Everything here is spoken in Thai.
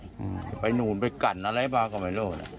จะไปนู่นไปกันอะไรบ้างก็ไม่รู้